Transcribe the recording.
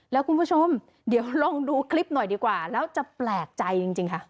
แล้วคุณผู้ชมเดี๋ยวลองดูคลิปหน่อยดีกว่าแล้วจะแปลกใจจริงค่ะ